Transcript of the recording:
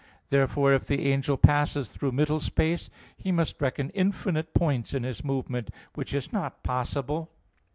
Therefore if the angel passes through middle space, he must reckon infinite points in his movement: which is not possible.